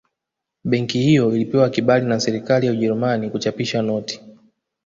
Benki hiyo ilipewa kibali na Serikali ya Ujerumani kuchapisha noti